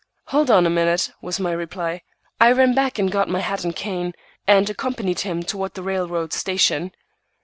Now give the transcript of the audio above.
"Hold on a minute," was my reply. I ran back and got my hat and cane, and accompanied him toward the railroad station.